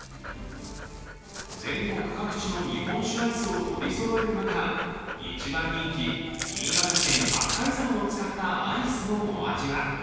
全国各地の日本酒アイスを取りそろえる中一番人気、新潟県・八海山を使ったアイスのお味は？